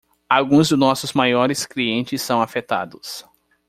Alguns de nossos maiores clientes são afetados.